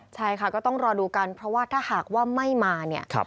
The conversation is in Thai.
ใช่ค่ะก็ต้องรอดูกันเพราะว่าถ้าหากว่าไม่มาเนี่ย